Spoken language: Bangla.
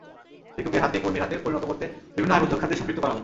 ভিক্ষুকের হাতকে কর্মীর হাতে পরিণত করতে বিভিন্ন আয়বর্ধক খাতে সম্পৃক্ত করা হবে।